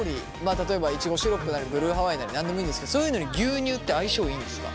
例えばイチゴシロップなりブルーハワイなり何でもいいんですけどそういうのに牛乳って相性いいんですか？